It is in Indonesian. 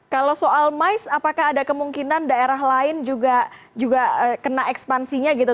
kalau soal mais apakah ada kemungkinan daerah lain juga kena ekspansinya gitu